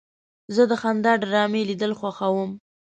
زه د خندا ډرامې لیدل خوښوم.